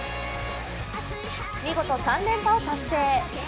見事３連覇を達成。